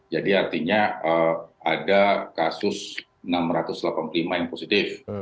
jadi artinya ada kasus enam ratus delapan puluh lima yang positif